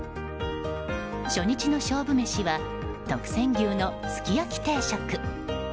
初日の勝負メシは特選牛のすきやき定食。